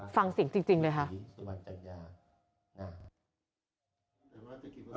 ฟังเสียงจริงเลยค่ะ